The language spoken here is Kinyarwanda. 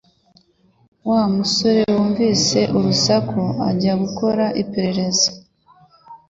Wa musore yumvise urusaku ajya gukora iperereza